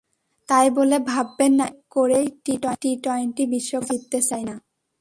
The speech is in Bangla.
তাই বলে ভাববেন না, ইচ্ছে করেই টি-টোয়েন্টি বিশ্বকাপ তারা জিততে চায় না।